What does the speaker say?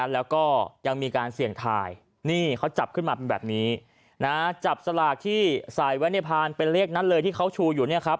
แล้วก็ยังมีการเสี่ยงทายนี่เขาจับขึ้นมาเป็นแบบนี้นะจับสลากที่ใส่ไว้ในพานเป็นเลขนั้นเลยที่เขาชูอยู่เนี่ยครับ